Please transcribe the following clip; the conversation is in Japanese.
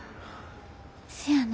せやな。